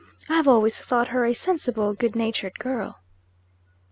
I have always thought her a sensible, good natured girl."